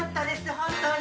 本当に。